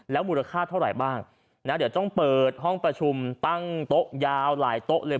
มูลค่าเท่าไหร่บ้างนะเดี๋ยวต้องเปิดห้องประชุมตั้งโต๊ะยาวหลายโต๊ะเลย